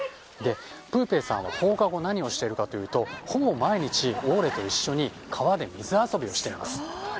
プーペーさんは放課後何をしているかというとほぼ毎日、オーレと一緒に川で水遊びをしています。